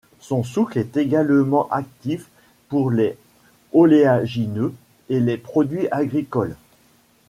Son souk est également actif pour les oléagineux et les produits agricoles.